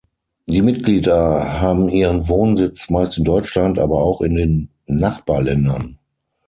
Die Mitglieder haben ihren Wohnsitz meist in Deutschland, aber auch in den Nachbarländern.